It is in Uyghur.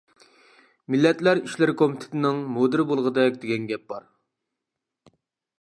مىللەتلەر ئىشلىرى كومىتېتىنىڭ مۇدىرى بولغۇدەك دېگەن گەپ بار.